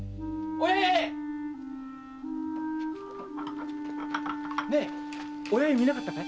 お八重見なかったかい？